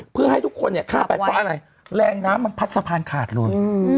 เพื่อให้ทุกคนเนี้ยข้าวแบบว่าอะไรแรงน้ำมันพัดสะพานขาดลงอืม